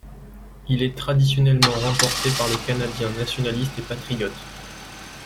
Il est traditionnellement remporté par les canadiens nationalistes et patriotes.